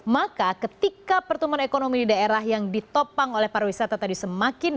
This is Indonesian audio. maka ketika pertumbuhan ekonomi di daerah yang ditopang oleh pariwisata tadi semakin